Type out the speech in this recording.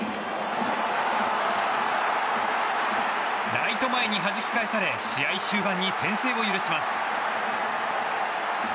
ライト前にはじき返され試合終盤に先制を許します。